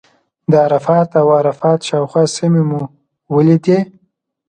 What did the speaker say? د عرفات او عرفات شاوخوا سیمې مو ولیدې.